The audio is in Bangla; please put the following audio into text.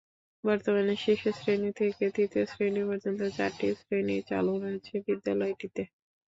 বর্তমানে শিশু শ্রেণি থেকে তৃতীয় শ্রেণি পর্যন্ত চারটি শ্রেণি চালু রয়েছে বিদ্যালয়টিতে।